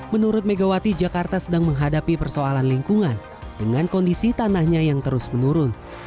menurut megawati jakarta sedang menghadapi persoalan lingkungan dengan kondisi tanahnya yang terus menurun